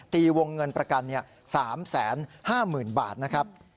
ตีวงเงินประกัน๓๕๐๐๐บาทนะครับ